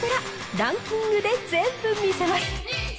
ランキングで全部見せます。